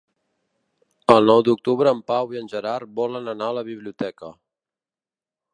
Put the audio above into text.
El nou d'octubre en Pau i en Gerard volen anar a la biblioteca.